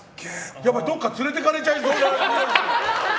やっぱどっか連れてかれちゃいそうな。